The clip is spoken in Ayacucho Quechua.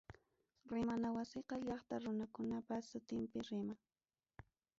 Rimana Wasiqa, llaqta runakunapa sutinpi riman.